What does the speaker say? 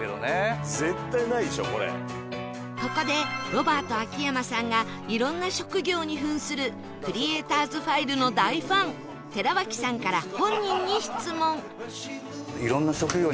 ここでロバート秋山さんがいろんな職業に扮するクリエイターズ・ファイルの大ファン寺脇さんから本人に質問